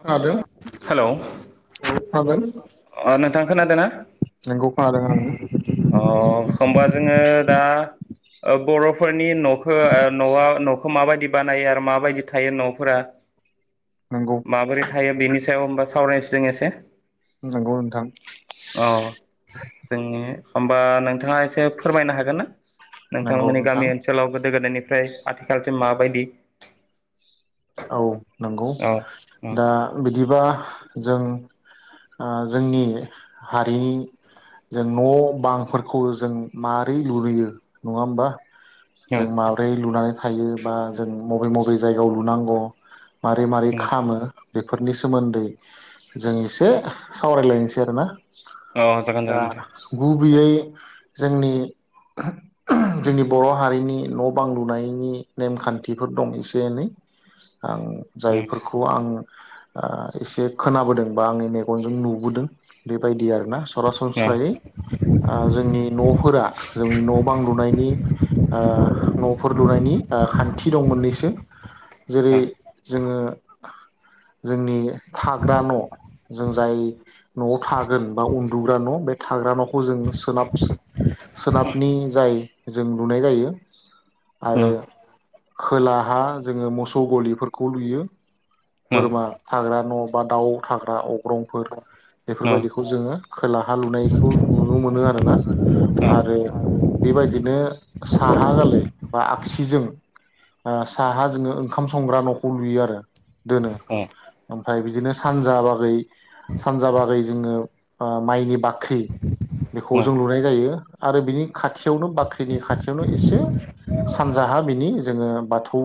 खोनादों हेल' औ खोनादों नोंथां खोनादों ना? नोंगौ खोनादों आं अ होमबा जोङो दा बर'फोरनि न'खौ न'आ न' खौ माबायदि बानायो आरो माबायदि थायो न'फोरा नोंगौ माबोरै थायो बेनि सायाव होनबा सावरायनोसै जों एसे नोंगौ नोंथां औ जोंनि होमबा नोंथाङा एसे फोरमायनो हागोन ना नोंगौ नोंथांमोननि नोंथां गामि ओनसोलाव गोदो गोदायनि बेनिफ्राय आथिखालसिम माबायदि औ नंगौ औ उम दा बिदिबा जों जोंनि हारिनि जों न' बांफोरखौ जों मारै लुुयो नङा होमबा? जों उम माब्रै लुनानै थायो बा जों मबे मबे जायगायाव लुनांगौ मारै मारै उम खामो बेफोरनि सोमोन्दै जों एसे सावरायलायनोसै आरो ना अ जागोन । दा जागोन नोंथां गुबैयै जोंनि जोंनि बर' हारिनि न' बां लुनायनि नेमखान्थिफोर दं एसे एनै । आं उम जायफोरखौ आं एसे खोनाबोदों बा आंनि मेगनजों नुबोदों बेबायदि आरोना । उम सरासनस्रायै जोंनि न'फोरा जोंनि न' बां लुनायनि न'फोर लुनायनि खान्थि दं मोननैसो । [inaudible] जेरै जोङो जोंनि थाग्रा न' । जों जाय न'आव थागोन बा उन्दुग्रा न' बे थाग्रा न' । खौ जों सोनाब सोनाबनि जाय जों लुनाय जायो आरो खोलाहा जोङो मोसौ गलिफोरखौ लुयो । बोरमा उम थाग्रा न' बा दाउ थाग्रा अग्रंफोर । बेफोरबायदिखौ जोङो खोलाहा लुनायखौ नुनो मोनो आरोना । आरो । साहा जोङो ओंखाम संग्रा न'खौ लुयो आरो दोनो । उम ओमफ्राय बिदिनो सानजा बागै सानजा बागै जोङो माइनि बाग ख्रि बेखौ उम जों लुनाय जायो आरो बिनि खाथियावनो बाख्रिनि खाथियावनो एसे सानजाहा बिनि जोङो बाथौ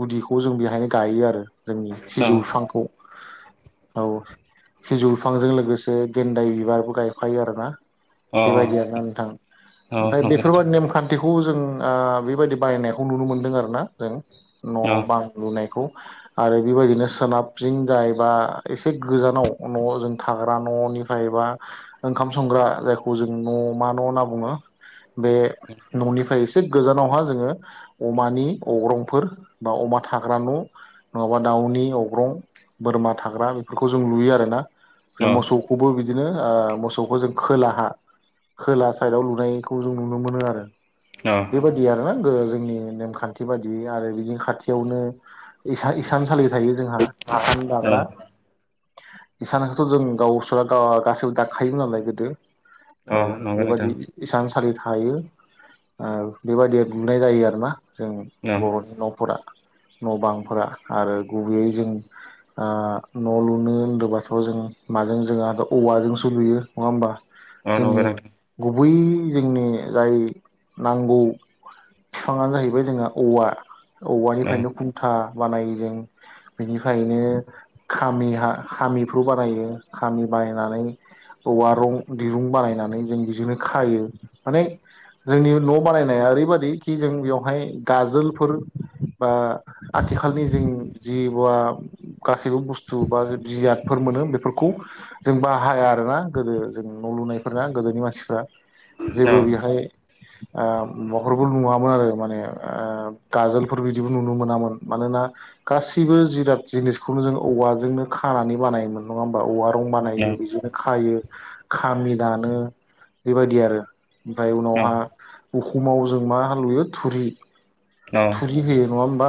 गुदिखौ जों बेहायनो गायो आरो जोंनि उम सिजौ बिफांखौ । औ सिजौ बिफांजों लोगोसे गेन्दाय बिबारबो गायखायो आरोना अ । बेबायदि आरोना नोंथां अ ओमफ्राय नंगौ नोंथां बेफोरबायदि नेमखान्थिखौ बेखौ जों बेबायदि बायनायखौ नुनो मोनदों आरोना जों अ न' बां लुनायखौ आरो बेबायदिनो सोनाबजोंं जायबा एसे गोजानाव न'आव जों थाग जाग्रा न'निफ्रायबा ओंख संग्रा जायखौ जों न' मा न' होनना बुङो । बे न'निफ्राय एसे गोजानावहा जोङो अमानि अग्रंफोर बा अमा थाग्रा न' नङाबा दाउनि अब्रं बोरमा थाग्रा बेफोरखौ जों लुयो आर ना । ओमफ्राय अ मोसौखौबो बिदिनो बिदिनो मोसौखौ जों खोलाहा खोला साइदआव लुनायखौ जों नुनो मोनो आरो अ बेबायाददि आरोना जोंनि नेमखान्थि बाददि आरो बिदिनो खाथि बेयावनो इसान सालि थायो जोंहा इसान अ दाग्रा । इसानखौथ' जों गावसोरा गासैबो दाखायोमोन नालाय गोदो । औ अ नंगौ नोंथां बेबायाददि इसान सलि थायो आरो बेबाददिया लुनाय जायो आरोना जों अ बर'नि न'फोरा । न' बांफोरा आरो गुबैयै जों न' लुनो होनदों बाथ' जोङो माजों जोंहा द औवाजों सो लुयो नङा होमबा? आ नगां [inaudible] बै जोंनि जाय नांगौ बिफाङानो जाहैबाय जोंहा औवा । अ ायनो खुन्था [inaudible] बानायो जों बेनिफ्रायनो खामि खामिफ्राव बानायो खामि । बायनानै । औवारं दिरुं बानायनानै जों बिजोंनो खायो माने जोंनि न' बानायनाया ओरैबादि कि जों बेवहाय गाजोलफोर बा आथिखालनि जों जि बा गासैबो बुस्थु बा बिजाद‌ फोर मोनो बेफोरखौ जों बाहाया आरोना गोदो जों न' लुनायफोरना गोदोनि मानसिफ्रा जेबो अ बेहाय ओ महरमोन नुवामोन आरो ओ माने गाजोलफोर बिदि जिबो नुनो मोनामोन मानोना गासैबो जिराद जिनिसखौनो जों औवाजोंनो खानानै बानाय नङा होमबा औवा रं अ बानायो बिदिनो खायो खामि दानो बेबायदि आरो। ओमफाय अ उनावहा उखुमाव जों मा हालुयो थुरि अ फुरि होयो नङा होमबा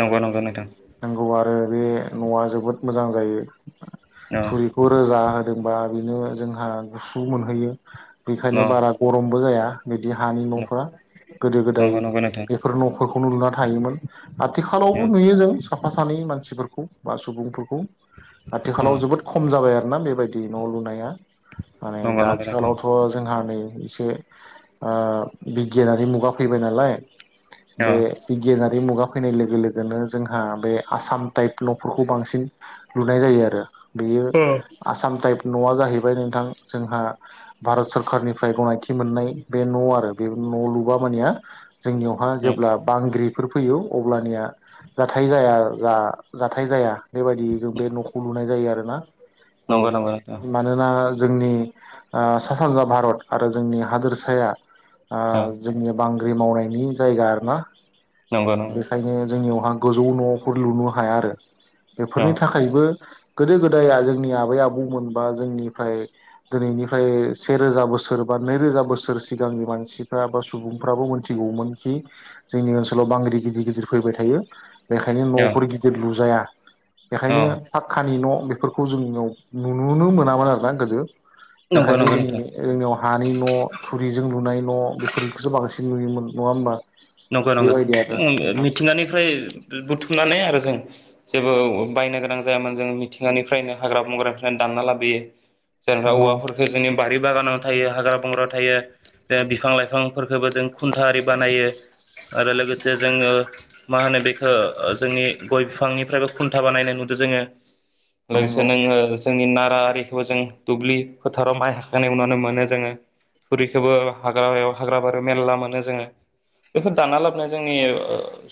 नंगौ नंगौ नोंथां नंगौ आरो। बे न'आ जोबोद मोजां जायो अ थुरिखौ रोजा होदोंबा। बेनो जोंहा गुसु मोनहैयो बेखायनो अ बारा गरमबो जाया। बिदि हानि न'फोरा गोदो गोदाय नंगौ नंगौ नोंथां बेफोर न'फोरखौनो लुना थायोमोन। आथिखालावबो अ नुयो जों साफा सानै मानसिफोरखौ बा सुबुंफोरखौ । अ आथिखालाव जोबोद खम जाबाय आरोना बेबायदि न' लुनाया । माने नंगौ दा नंगौ नोंथां आथिखालावथ' जोंहा नै एसे आ बिगियानारि मुगा फैबाय नालाय अ बे बिगियानारि। मुगा फैनाय लोगो लोगोनो जोंहा बे आसाम टाइप न'फोरखौ बांसिन लुनाय जायो आरो। बेयो अ आसाम टाइप न'आ जाहैबाय नोंथां जोंहा भारत सरखारनिफ्राय गनायथि मोननाय बे न' आरो बे न' लुबा मानिया जोंनियावहा जेब्ला बांग्रिफोर फैयो अब्लानिया जाथाय जाया जा जाथाय जाया। बेबादि जों बे न'खौ लुनाय जायो आरोना औ नंगौ नंगौ नोंथां मानोना। जोंनि आ सा सानजा भारत आरो जोंनि हादोरसाया आ अ जोंनि बांग्रि मावनायनि जायगा आरोना नंगौ नंगौ बेखायनो जोंनियावहा गोजौ न'फोर लुनो हाया आरो, अ बेफोरनि थाखायबो गोदो गोदाय जोंनि आबै आबौमोनबा जोंनिफ्राय दिनैनिफ्राय सेेरोजा बोसोर बा नैरोजा बोसोर सिगांनि मानसिफ्रा बा सुबुंफ्राबो मोनथिगौमोन । खि जोंनि ओनसोलाव बांग्रि गिदिर गिदिर फैबाय थायो बेखायनो अ न'फोर गिदिर लुजाया । अ बेखायनो पखक्कानि न' बेफोरखौ जोंनियाव नुुनो मोनामोन आरोना गोदो नंगौ बेखायनो नंगौ जोंनि नोंथां जोंनियाव हानि न' थुरिजों लुनाय न' बेफोरखौसो बांसिन नुयोमोन नङा होमबा? नंगौ नंगौ बेबायदि आरो ओ नोंथां मिथिंगानिफ्राय बुथुमनानै आरो जों जेबो बायनो गोनां जायामोन जों मिथिंगानिफ्रायनो हाग्रा बंग्रानिफ्रायनो दानना लाबोयो । जेनेबा नंगौ औवाफोरखौ जोंनि बारि बागानाव थायो हाग्रा बंग्रा थायो बिफां लाइफांफोरखौबो जों खुन्था आरि बानायो । आरो लोगोसे जोङो मा होनो बेखो जोंनि गय बिफांनिफ्रायबो खुन्था बानायनाय नुदों जोङो नोंसो नंगौ [unintelligible] जोंनि नारा आरिखौबो जों दुब्लि फोथाराव माइ हाखांनाय उनावनो मोनो जोङो । थुरिखौबो हाग्रायाव हाग्रा बारियाव मेरला मोनो जोङो । बेफोर दानना लाबोना जोंनि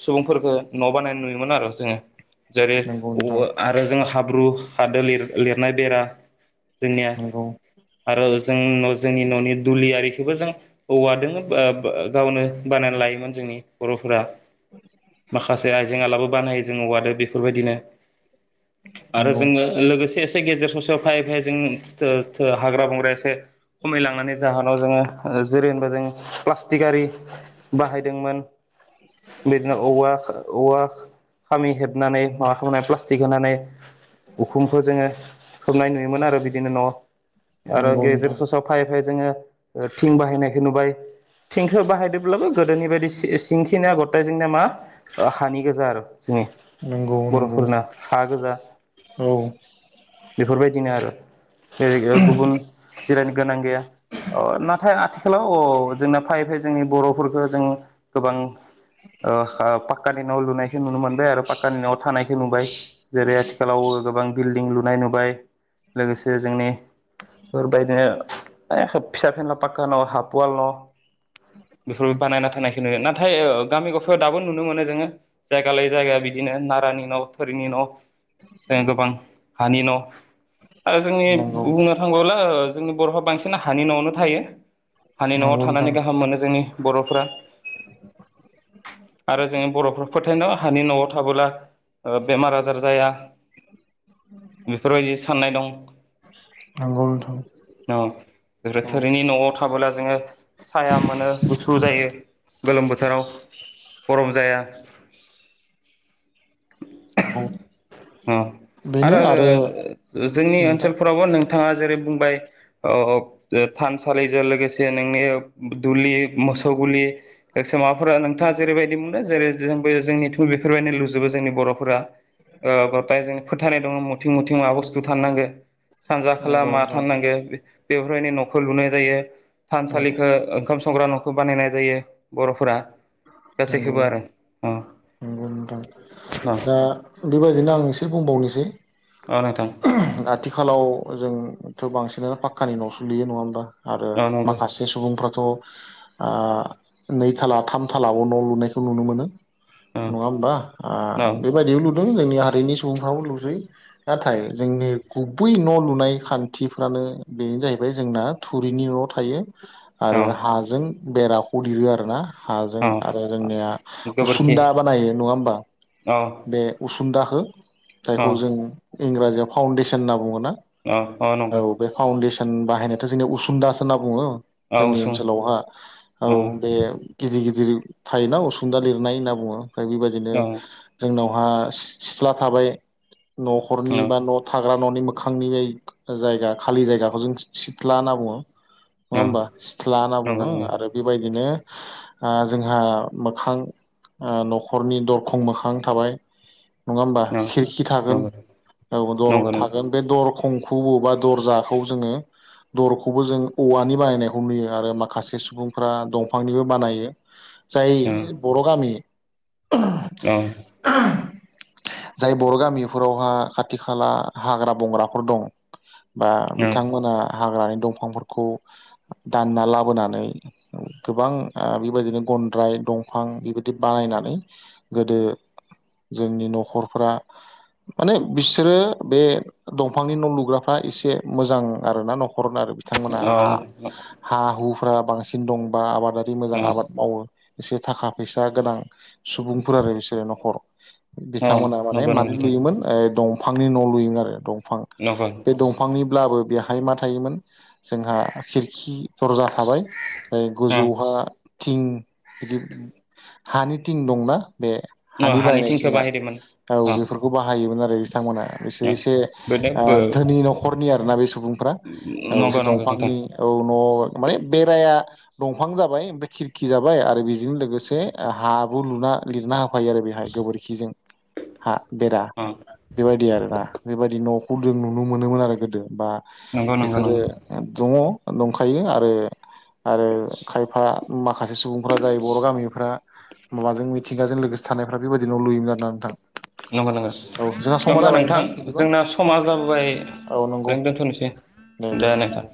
सुबुंफोरखौ न' बानायनाय नुयोमोन आरो जोङो । जेरै नंगौ औ नोंथां आरो जों हाब्रु हादो लिर लिरनाय बेरा जोंनिया नंगौ आरो जों न' जोंनि न'नि दुलि आरिखौबो जों औवादोंनो ओ बो गावनो बानायना लायो । मोन जोंनि बर'फोरा माखासे आइजें आलाबो बानायो जोङो औवादो बेफोरबायदिनो आरो नंगौ जोङो लोगोसे गेजेर ससेयाव फायै फायै जों थो थो हाग्रा बंग्राया एसे खमायलांनानै जाहा नाव जोङो जेरै होनबा जों प्लास्टिक आरि बाहायदोंमोन बिदिनो औवा औवा खामि हेबनानै माबा खालामनाय प्लास्टिक होनानै उखुमखौ जोङो खोबनाय नुयोमोन आरो बिदिनो न'आव आरो नंगौ गेजेर नोंथां ससेयाव फाइ फायै बे जोङो ओ थिं बाहायनायखौ नुबाय थिंखौ बाहायदोब्लाबो गोदोनि बायदि सिंखिनिया गथायजोंनि मा ओ हानि गोजा आरो जोंनि नंगौ नंगौ बर'फोरना हा गोजा औ बेफोरबायदिनो आरो जिरायग्रायाव गुबुन जिरायनो गोनां गैया अ नाथाय आथि आथिखालाव अ जोंना फायै फायै जोंनि बर'फोरखौ जों गोबां ओ ओ पाक क्कानि न' लुनायखौ नुनो मोनबाय आरो पाक्कानि न'आव थानायखौ नुबाय जेरै आथिखालाव गोबां बिल्डिं लुनाय नुबाय लोगोसे जोंनि बेबायदिनो ए खोब फिसा फेनना पाकका न' हाफ‌ वाल न' बिफोर बानायना थानायखौ नुयो नाथाय ओ गामि गफायाव दाबो नुनो मोनो जोङो जायगा लायै जायगा बिदिनो नारानि न' फोरनि न' जों गोबां हानि न' आरो जोंनि नंगौ बुंनो थाङोब्ला ओ जोंनि बर'फ्रा बांसिन हानि न'आवनो थायो हानि न'आव नंगौ थानानै नोंथां गाहाम मोनो जोंनि बर'फ्रा आरो जोङो बर'फोर फोथायनाय दं हानि न'आव थाबोला ओ बेमार आजार जाया बेफोरबायदि साननाय दं । नंगौ नोंथां बे औ थोरिनि न'आव थाबोला जोङो साया मोनो फ्रु जायो गोलोम बोथोराव गरम जाया । नंगौ । ओ आरो जोंनि नोंथां ओनसोलफोरावबो नोंथाङा जेरै बुंबाय औ औ थानसालिजों लोगोसे नोंनि दुलि मोसौ गुलि सैमा माबाफोरा नोंथाङा जेरैबायदि मोनो जेरै जों जोंनि बेफोरबायदिनो लुजोबो जोंनि बर'फोरा ओ इटाय जोंङो फोथायनाय दङ मथिं मथिं मा बुस्थु थानांगो । सानजा खोला नंगौ मा नोंथां थाननांगो बेफोरफ्रायनो न'खौ लुनाय जायो नंगौ थानसालिखो ओंखाम संग्रा न'खौ बानायनाय जायो बर'फोरा नंगौ गासैखौबो आरो अ नंगौ नोंथां अ दा बेबाय बेनो आं एसे बुंबावनोसै अ नोंथां आथिखालाव जों थ' बांसिनानो पाक्कानि न'सो लुयो नङा होमबा आरो औ नंगौ माखासे सुबुंफ्राथ' ओ नैथाला थाम थालाबो न' लुनायखौ नुनो मोनो। औ नङा होमबा आ औ बेबायदियाव लु जोंनि हारिनि सुबुंफ्राबो लुजै नाथाय जोंनि गुबै न' लुनाय खान्थिफ्रा बेनो जाहैबाय जोंना थुरिनि न' थायो। औ आरो हाजों बेराखौ लिरो आरोना हाजों औ आरो जोंनिया गोबोरखि उसुनदा बानायो नङा होमबा औ बे उसुंदाखो औ जायखौ जों इंराजियाव फाउन्डेसन होनना बुङोना औ औ नंगो। बन बाहायनायाथ' जोंनि उसुनदासो होनना बुङो औ जोंनि उसुं ओनसोलावहा औ बे गिदिर गिदिर थायोना असुनदा लिरनाय होनना बुङो ओमफ्राय बेबायदिनो औ जोंनाव हा सिथ्ला थाबाय औ न'खरनि बा न' थाग्रा न'नि म मोखांनि बे जायगा खालि जायगाखौ जों सिथ्ला होनना बुङो। नङा औ होमबा सिथ्ला होनना नंगौ बुङो नंगौ आरो बेबायदिनो ओ जोंहा मोखां ओ न'खरनि दरखं मोखां थाबाय नङा होमबा औ खिरखि थागोन नंगौ औ दर नंगौ नंगौ थागोन बे दर खंखुबो बा दरजाखौ जोङो दरखौबो जों औवानि बानायनायखौ नुयो आरो माखासे सुबुंफ्रा दंफांनिबो बानायो। औ जाय बर' गामि औ। जाय बर' गामिफोरावहा खाथि खाला हाग्रा बंग्राफोर दं। बा बिथांमोना हाग्रानि दंफांफोरखौ दानना लाबोनानै गोबां ओ बेबायदिनो गन्द्राय दंफां बेबायदि बानायनानै गोदो जोंनि न'खरफ्रा माने बिसोरो बे दंफांनि न' लुग्राफ्रा एसे मोजां आरोना नख' हरनो आरो बिथांमोना हा हा हुफ्रा बांसिन दं बा आबादारि मोजां औ आबाद मावो एसे थाखा फैसा गोनां सुबुंफोर आरो बिसोरो न'खर बिथांमोना माने नंगौ नंगौ मानो नोंथां लुयोमोन ओ दं दंफांनि न' लुयोमोन आरो दंफां नंगौ बे दंफांनिब्लाबो बेहाय मा थायोमोन जोंहा खिरखि दरजा थाबाय ओमफ्राय गोजौहा थिं बिदि हानि थिं दंना बे ओं हानि बारायनाय थिंखो थिंआ बाहायदोंमोन औ ओं बेफोरखौ बाहायोमोन आरो। बिथांमोना बिसोर ओं एसे बेनो ओ धोनि न'खरनि आरोना बे सुबुंफ्रा औ नंगौ बिसोर नंगौ नोंथां दंफांनि औ न' माने बेराया दंफां जाबाय ओमफ्राय खिरख खि जाबाय आरो बेजों लोगोसे हाबो लुना लिरना होफायो आरो बेहाय गोबोरखिजों। हा बेरा ओं बेबायदि आरोना बेबायदि न'खौ जों नुनो मोनोमोन आरो गोदो बा नंगौ नंगौ बेफोरो नंगौ दङ दंखायो आरो आरो खायफा माखासे सुबुंफ्रा जाय बर' गामिफ्रा माबाजों मिथिंगाजों लोगोसे थानायफ्रा बेबायदि न' लुयोमोन आरोना नोंथां। नंगौ नंगौ औ जोंहा समा माबा जाबाय नोंथां बिदिबा जोंना समा जाबोबाय औ नंगौ ओ दोनथ'नोसै दे नोंथां।